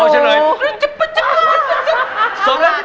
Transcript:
ชอบมา